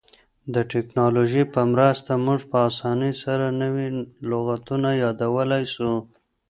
د ټکنالوژۍ په مرسته موږ په اسانۍ سره نوي لغتونه یادولای سو.